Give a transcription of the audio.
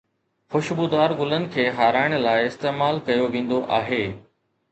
خوشبودار گلن کي هارائڻ لاءِ استعمال ڪيو ويندو آهي